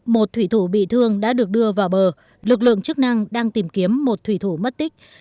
một thủy thủ bị thương đã được đưa vào bờ lực lượng chức năng đang tìm kiếm một thủy thủ mất tích